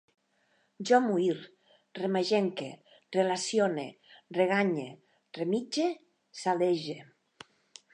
Jo muir, remagenque, relacione, reganye, remitge, salege